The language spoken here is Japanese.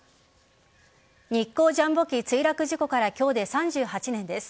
日航ジャンボ機墜落事故から今日で３８年です。